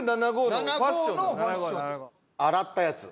洗ったやつ。